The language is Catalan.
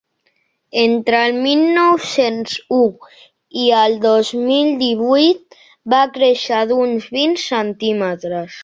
Entre el mil nou-cents u i el dos mil divuit, va créixer d’uns vint centímetres.